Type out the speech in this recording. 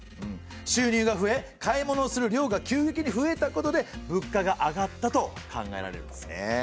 収入が増え買い物をする量が急激に増えたことで物価が上がったと考えられるんですねえ。